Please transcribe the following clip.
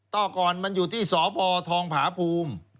ต้อกรมันอยู่ที่สพทองพภูมิ